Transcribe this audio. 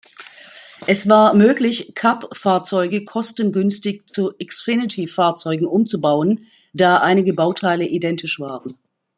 Es war möglich, Cup-Fahrzeuge kostengünstig zu Xfinity-Fahrzeugen umzubauen, da einige Bauteile identisch waren.